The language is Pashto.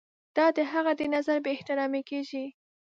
دا د هغه د نظر بې احترامي کیږي.